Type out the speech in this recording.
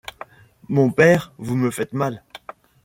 Mon père, vous me faites mal.